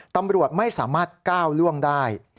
ตำรวจไม่สามารถก้าวล่วงได้